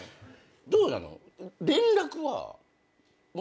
どうなの？